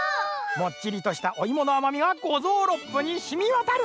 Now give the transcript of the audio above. もっちりとしたおいものあまみがごぞうろっぷにしみわたる。